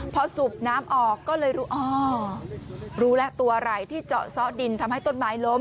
พอสูบน้ำออกก็เลยรู้อ๋อรู้แล้วตัวอะไรที่เจาะซ้อดินทำให้ต้นไม้ล้ม